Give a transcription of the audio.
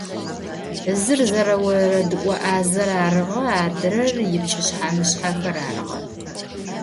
Zır – zereoredı'o 'azer arığe; adrer – yipç'ışshe - mışshexer arığe.